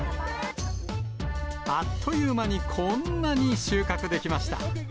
あっという間にこんなに収穫できました。